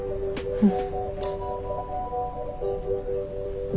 うん。